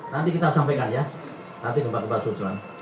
nanti kita sampaikan ya nanti gempa gempa susulan